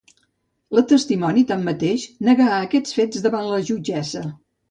La testimoni, tanmateix, negà aquests fets davant la jutgessa.